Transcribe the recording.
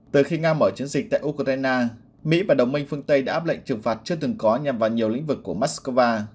từ khi nga mở chiến dịch tại ukraine mỹ và đồng minh phương tây đã áp lệnh trừng phạt chưa từng có nhằm vào nhiều lĩnh vực của moscow